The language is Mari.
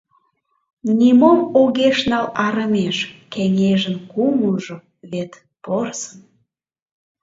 Нимом огеш нал арымеш: Кеҥежын кумылжо вет порсын…